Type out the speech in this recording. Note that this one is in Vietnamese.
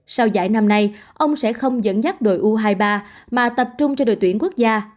sau giải năm nay ông sẽ không dẫn dắt đội u hai mươi ba mà tập trung cho đội tuyển quốc gia